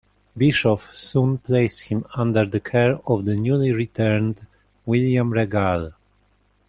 Bischoff soon placed him under the care of the newly returned William Regal.